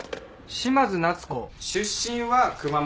嶋津奈都子出身は熊本。